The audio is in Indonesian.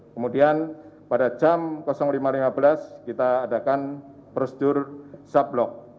kemudian pada jam lima lima belas kita adakan prosedur sub block